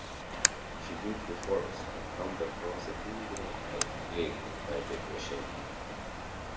She leaves the forest and comes across a huge rock-like cliff by the ocean.